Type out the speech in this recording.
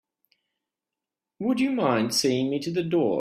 Would you mind seeing me to the door?